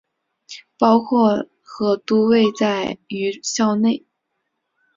包括和都位于校园内。